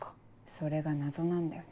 それが謎なんだよね。